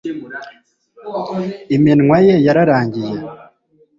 Iminwa ye yaranangiye